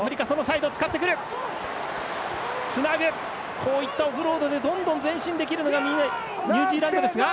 こういったオフロードでどんどん前進できるのがニュージーランドですが。